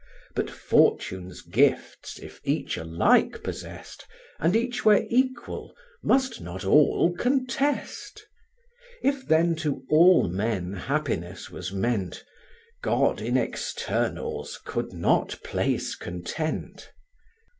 But fortune's gifts if each alike possessed, And each were equal, must not all contest? If then to all men happiness was meant, God in externals could not place content.